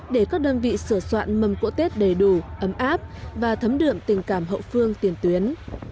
để các đơn vị sửa soạn mầm cỗ tết đầy đủ ấm áp và thấm đượm tình cảm hậu phương tiền tuyến